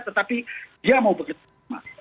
tetapi dia mau bekerja sama